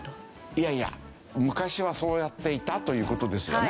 いやいや昔はそうやっていたという事ですよね。